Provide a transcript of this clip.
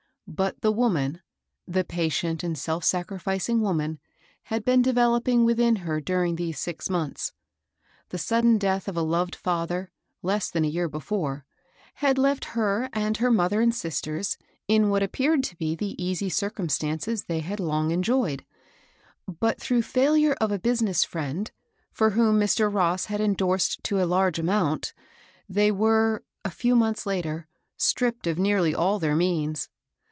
But the woman, the patient and self sacrificing woman, had been developing within her during these six months. The sudden death of a loved father, less than a year before, had left her and her mother and sisters in what appeared to be the easy cir cumstances they had long enjoyed ; but, through COUSIN ALGIN. 11 failure of a business friend, for whom Mr. Ross had endorsed to a large amount, they were, a few months later, stripped of nearly all their means.